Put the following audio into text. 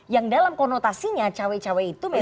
yang dalam konotasinya cowok cowok itu memang